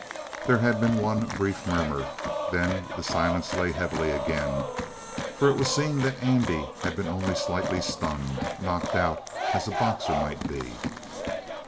There had been one brief murmur; then the silence lay heavily again, for it was seen that Andy had been only slightly stunned knocked out, as a boxer might be.